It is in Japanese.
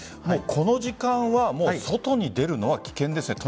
この時間は外に出るのは危険ですね。